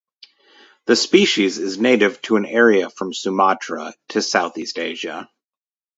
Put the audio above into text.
The species is native to an area from Sumatra to Southeast Asia.